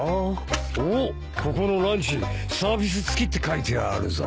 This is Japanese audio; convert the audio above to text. おっここのランチサービス付きって書いてあるぞ。